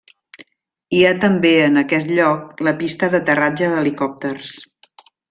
Hi ha també en aquest lloc la pista d'aterratge d'helicòpters.